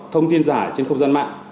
thông tin giả trên không gian mạng